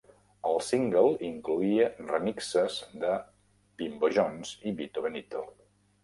El single incloïa remixes de Bimbo Jones i Vito Benito.